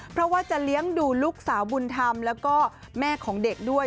เพราะว่าจะเลี้ยงดูลูกสาวบุญธรรมแล้วก็แม่ของเด็กด้วย